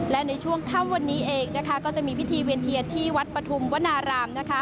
และในช่วงค่ำวันนี้เองก็จะมีพิธีเวียนเทียนที่วัดปฐุมวนาราม